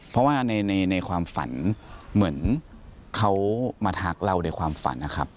เพราะว่าในความฝันเหมือนเขามาทักเราในความฝันนะครับ